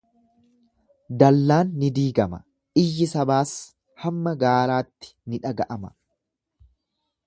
Dallaan ni diigama, iyyi sabaas hamma gaaraatti ni dhaga'ama.